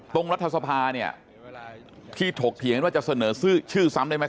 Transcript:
รัฐสภาเนี่ยที่ถกเถียงว่าจะเสนอชื่อซ้ำได้ไหม